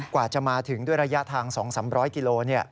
กว่าจะมาถึงด้วยระยะทาง๒๓๐๐กิโล